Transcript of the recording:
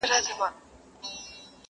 جهاني ماته مي نیکونو په سبق ښودلي٫